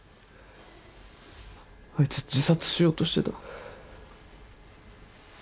あいつ自殺しようとしてた。